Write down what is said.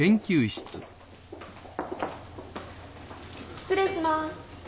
失礼します。